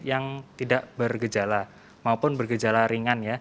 yang tidak bergejala maupun bergejala ringan ya